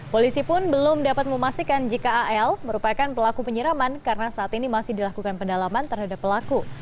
polisi pun belum dapat memastikan jika al merupakan pelaku penyiraman karena saat ini masih dilakukan pendalaman terhadap pelaku